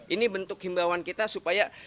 ini bentuk himbawan kita supaya